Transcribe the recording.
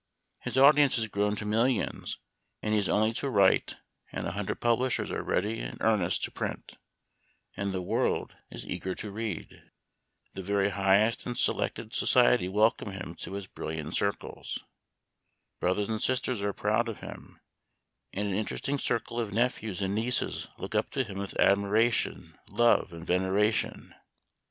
His audience has Memoir of Washington Irving. 247 grown to millions, and he has only to write, and a hundred publishers are ready and earnest to print, and the world is eager to read. The very high est and selectest society welcome him to its brilliant circles. Brothers and sisters are proud of him, and an interesting circle of nephews and nieces look up to him with admiration, love, and veneration.